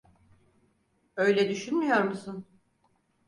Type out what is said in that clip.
Öyle düşünmüyor musun?